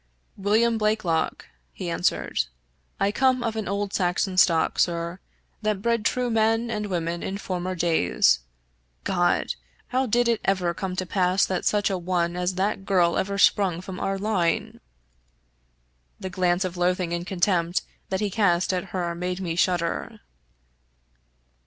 " William Blakelock," he answered. " I come of an old Saxon stock, sir, that bred true men and women in former days. God ! how did it ever come to pass that such a one as that girl ever sprung from our line ?" The glance of loathing and contempt that he cast at her made me shudder.